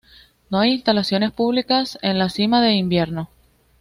No hay instalaciones públicas en la cima en invierno.